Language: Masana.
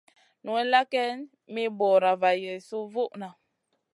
Nowella geyn mi buur ma yesu vuʼna.